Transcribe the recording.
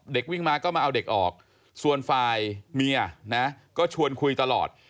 วิ่งมาก็มาเอาเด็กออกส่วนฝ่ายเมียนะก็ชวนคุยตลอด